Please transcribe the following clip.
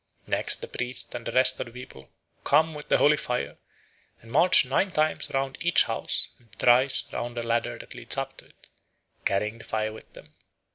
Next, the priests and the rest of the people come with the holy fire and march nine times round each house and thrice round the ladder that leads up to it, carrying the fire with them.